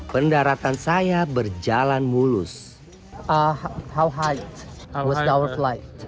pendaratan saya berjalan dengan berat